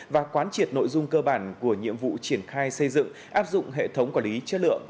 và quán triệt nội dung cơ bản của nhiệm vụ triển khai xây dựng áp dụng hệ thống quản lý chất lượng